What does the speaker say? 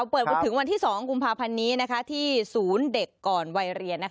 เปิดถึงวันที่๒กุมภาพันธ์นี้ที่ศูนย์เด็กก่อนวัยเรียน